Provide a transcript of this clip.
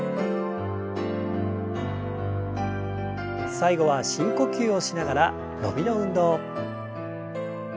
最後は深呼吸をしながら伸びの運動。